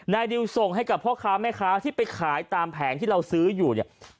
ดิวส่งให้กับพ่อค้าแม่ค้าที่ไปขายตามแผงที่เราซื้ออยู่เนี่ย